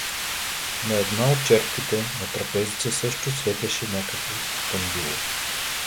На една от черквите на Трапезица също светеше някакво кандило.